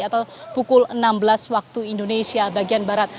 atau pukul enam belas waktu indonesia bagian barat